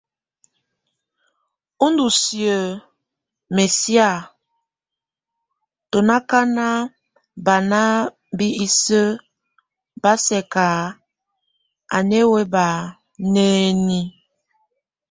Ndusi mɛ síak, tu ákan baná bʼ ise ba sɛkkak a newek bá nenye.